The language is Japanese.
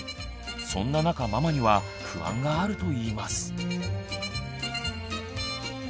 そんな中ママには不安があるといいます。